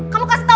kamu kasih aku